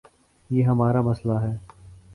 یہ ہمار امسئلہ ہے۔